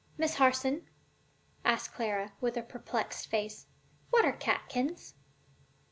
] "Miss Harson," asked Clara, with a perplexed face, "what are catkins?"